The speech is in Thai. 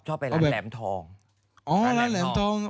ชอบไปร้านแหลมทอง